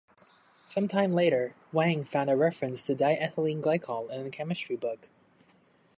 Some time later, Wang found a reference to diethylene glycol in a chemical book.